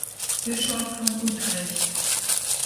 Bischof von Utrecht.